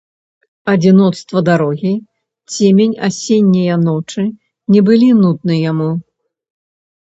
Адзіноцтва дарогі, цемень асенняе ночы не былі нудны яму.